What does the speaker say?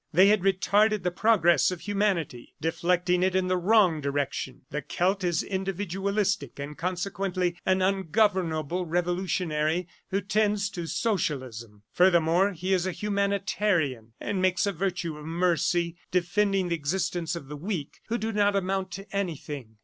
They had retarded the progress of Humanity, deflecting it in the wrong direction. The Celt is individualistic and consequently an ungovernable revolutionary who tends to socialism. Furthermore, he is a humanitarian and makes a virtue of mercy, defending the existence of the weak who do not amount to anything.